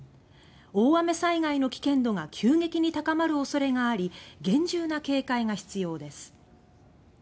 大雨災害の危険度が急激に高まる恐れがあり厳重な警戒が必要です。